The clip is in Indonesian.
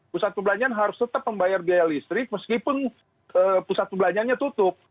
pusat perbelanjaan harus tetap membayar biaya listrik meskipun pusat perbelanjaannya tutup